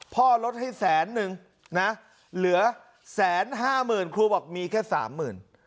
ลดให้แสนนึงนะเหลือแสนห้าหมื่นครูบอกมีแค่สามหมื่น